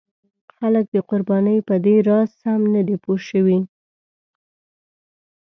خلک د قربانۍ په دې راز سم نه دي پوه شوي.